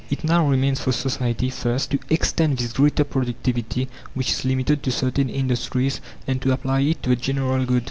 It now remains for society, first, to extend this greater productivity, which is limited to certain industries, and to apply it to the general good.